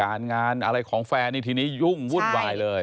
งานอะไรของแฟนนี่ทีนี้ยุ่งวุ่นวายเลย